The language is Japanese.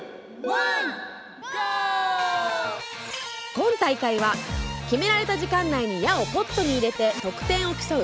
今大会は「決められた時間内に矢をポットに入れて得点を競う」